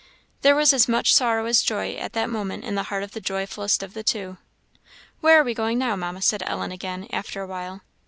There was as much sorrow as joy at that moment in the heart of the joyfullest of the two. "Where are we going now, Mamma?" said Ellen again, after a while.